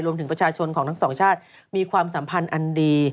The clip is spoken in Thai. รวมถึงประชาชนของทั้งสองชาติมีความสัมพันธ์อันดี